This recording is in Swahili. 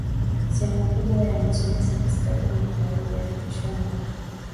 sehemu kubwa ya nchi hasa kaskazini na magharibi hadi mwishoni mwa